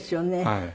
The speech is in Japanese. はい。